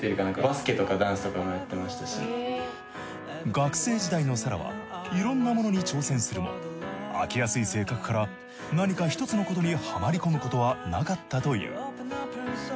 学生時代のＳａＲａはいろんなものに挑戦するも飽きやすい性格から何か一つのことにはまり込むことはなかったという。